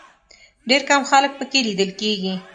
ډېر کم خلک په کې لیدل کېږي.